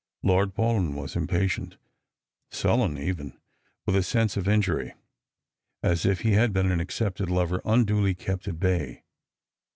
Lord Paulyn was impatient, sullen even, with a sense of injury, as if he had Ijeen an accepted lover unduly kept at bay.